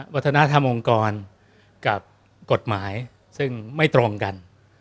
วัฒนธรรมองค์กรกับกฎหมายซึ่งไม่ตรงกัน